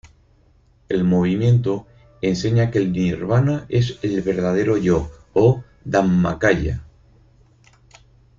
El Movimiento enseña que el nirvana es el "verdadero yo" o "Dhammakaya".